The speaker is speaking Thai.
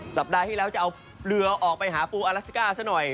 สัปดาห์ที่แล้วจะเอาเรือออกไปหาปูอลัสก้าซะหน่อย